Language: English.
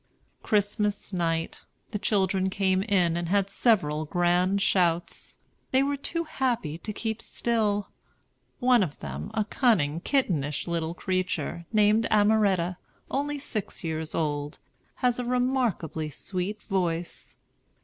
Christmas night, the children came in and had several grand shouts. They were too happy to keep still. One of them, a cunning, kittenish little creature, named Amaretta, only six years old, has a remarkably sweet voice.